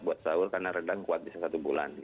buat sahur karena rendang kuat bisa satu bulan